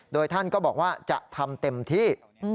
โดยท่านก็บอกว่าจะทำเต็มที่